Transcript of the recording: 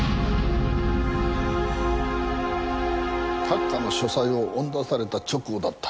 閣下の書斎を追い出された直後だった。